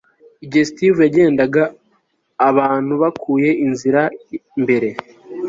igihe steve yagendaga, abantu bakuye inzira mbere